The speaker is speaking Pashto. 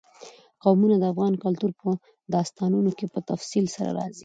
قومونه د افغان کلتور په داستانونو کې په تفصیل سره راځي.